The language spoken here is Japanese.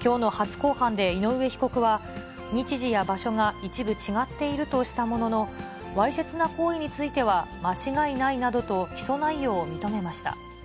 きょうの初公判で井上被告は、日時や場所が一部違っているとしたものの、わいせつな行為については間違いないなどと、起訴内容を認めました。